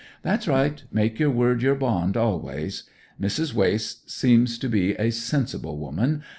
That's right make your word your bond always. Mrs. Wace seems to be a sensible woman.